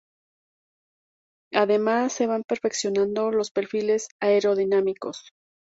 Además se van perfeccionando los perfiles aerodinámicos.